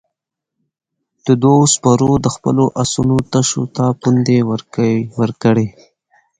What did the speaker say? دوو سپرو د خپلو آسونو تشو ته پوندې ورکړې.